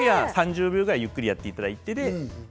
３０秒ぐらいゆっくりやっていただいて。